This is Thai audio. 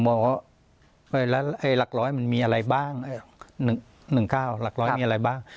ผมบอกว่าแล้วไอ้หลักร้อยมันมีอะไรบ้างหนึ่งหนึ่งเก้าหลักร้อยมีอะไรบ้าง